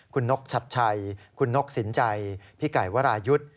คุณโนฯฉัดไชคุณโนฯสินใจพี่กายวรายุทธ์